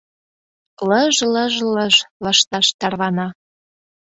Лыж-лыж-лыж лышташ тарвана.